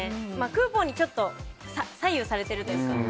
クーポンに左右されてるというか。